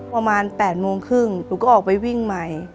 ประมาณ๘โมงครึ่งหนูก็ออกไปวิ่งใหม่